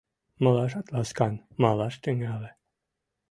Малашат ласкан малаш тӱҥале.